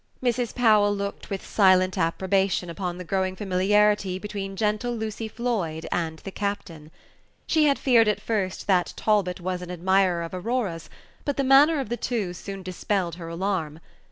Mrs. Powell looked with silent approbation upon the growing familiarity between gentle Lucy Floyd and the captain. She had feared at first that Talbot was an admirer of Aurora's; but the manner of the two soon dispelled her alarm.